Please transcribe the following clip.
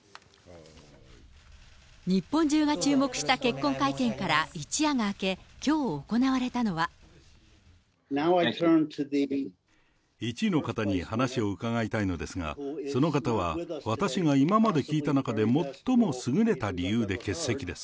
日本中が注目した結婚会見から一夜が明け、１位の方に話を伺いたいのですが、その方は、私が今まで聞いた中で最も優れた理由で欠席です。